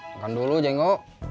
makan dulu jeno